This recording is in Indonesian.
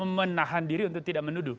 menahan diri untuk tidak menuduh